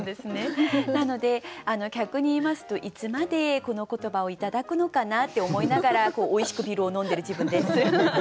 なので逆に言いますといつまでこの言葉を頂くのかなって思いながらおいしくビールを飲んでる自分です。